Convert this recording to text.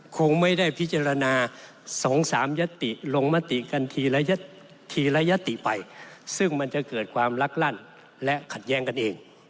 คงไม่ได้พิจารณา๒๓ยติลงมติกันทีละทีละยติไปซึ่งมันจะเกิดความลักลั่นและขัดแย้งกันเอง